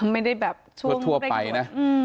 ไม่ได้แบบช่วงเร่งด่วน